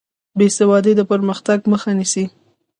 بې سوادي د پرمختګ مخه نیسي.